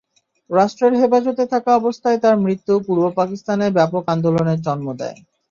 রাষ্ট্রের হেফাজতে থাকা অবস্থায় তাঁর মৃত্যু পূর্ব পাকিস্তানে ব্যাপক আন্দোলনের জন্ম দেয়।